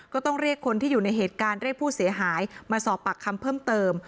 ก็ต้องเรียกคนที่อยู่ในเหตุการณ์เรียกผู้เสียหายมาสอบปากคำเพิ่มเติม